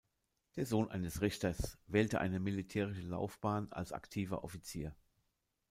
Der Sohn eines Richters wählte eine militärische Laufbahn als aktiver Offizier.